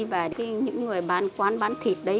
và những người bán quán bán thịt đấy